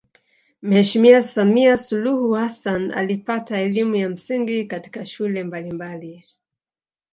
Mheshimiwa Samia Suluhu Hassan alipata elimu ya msingi katika shule mbalimbali